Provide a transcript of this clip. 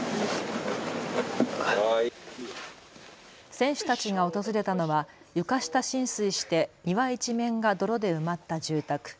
選手たちが訪れたのは床下浸水して庭一面が泥で埋まった住宅。